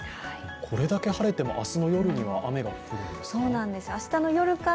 これだけ晴れても明日の夜には雨が降るんですか？